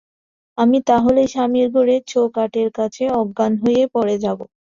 আমি তা হলে স্বামীর ঘরের চৌকাঠের কাছে অজ্ঞান হয়ে পড়ে যাব।